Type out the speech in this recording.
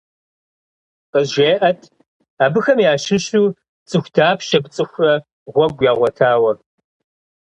КъызжеӀэт: абыхэм ящыщу цӏыху дапщэ пцӀыхурэ гъуэгу ягъуэтауэ?